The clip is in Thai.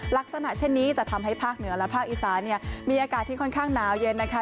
ลักษณะเช่นนี้จะทำให้ภาคเหนือและภาคอีสานเนี่ยมีอากาศที่ค่อนข้างหนาวเย็นนะคะ